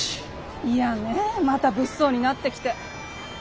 いやねまた物騒になってきて。